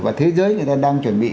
và thế giới người ta đang chuẩn bị